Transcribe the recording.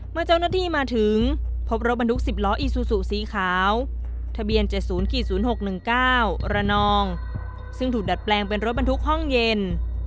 เมื่อเจ้าหน้าที่มาถึงพบรถบรรทุก๑๐ล้ออีซูซูสีขาวทะเบียน๗๐๐๖๑๙ระนองซึ่งถูกดัดแปลงเป็นรถบรรทุกห้องเย็น